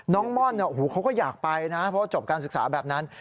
ม่อนเขาก็อยากไปนะเพราะจบการศึกษาแบบนั้น